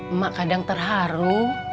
emak kadang terharu